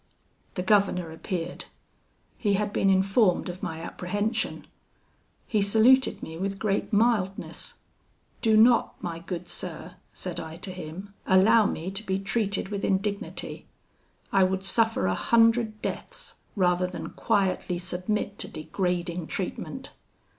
"The governor appeared. He had been informed of my apprehension. He saluted me with great mildness. 'Do not, my good sir,' said I to him, 'allow me to be treated with indignity. I would suffer a hundred deaths rather than quietly submit to degrading treatment.'